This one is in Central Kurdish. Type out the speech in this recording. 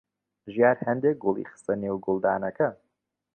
ژیار هەندێک گوڵی خستە نێو گوڵدانەکە.